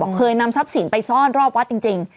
บอกว่าเขานำทรัพย์ศิลป์ไปซ่อนรอบวัดจริง